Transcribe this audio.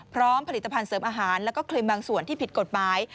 พร้อมผลิตภัณฑ์เสริมอาหารแล้วก็ครีมบางส่วนที่ผิดกฎหมาย